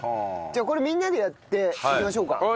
じゃあこれみんなでやっていきましょうか。